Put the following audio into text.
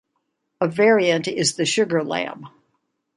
A variant is the sugar lamb.